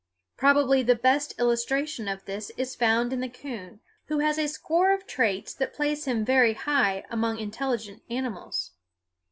Probably the best illustration of this is found in the coon, who has a score of traits that place him very high among intelligent animals.